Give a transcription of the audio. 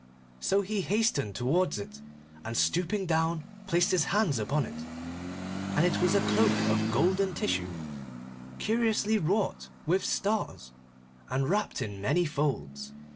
So he hastened towards it, and stooping down placed his hands upon it, and it was a cloak of golden tissue, curiously wrought with stars, and wrapped in many folds.